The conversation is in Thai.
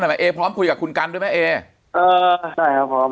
ได้ไหมเอพร้อมคุยกับคุณกัลด้วยไหมเอเออได้ครับพร้อม